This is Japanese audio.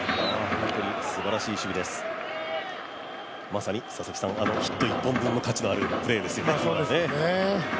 まさに、佐々木さんヒット１本分の価値のあるプレーですね。